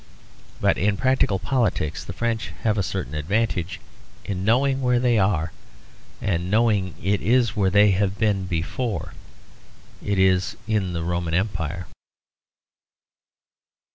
But in practical politics the French have a certain advantage in knowing where they are, and knowing it is where they have been before. It is in the Roman Empire.